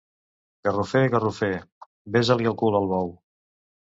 Garrofer, garrofer... besa-li el cul al bou.